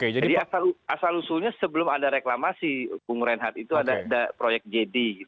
jadi asal usulnya sebelum ada reklamasi punggur renhat itu ada proyek jd